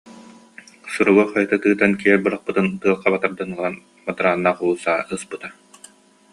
Суругу хайыта тыытан киэр бырахпытын тыал хаба тардан ылан бадарааннаах уулуссаҕа ыспыта